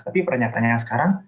tapi pernyataannya yang sekarang